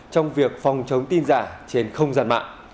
trong việc phòng chống tin giả trên không gian mạng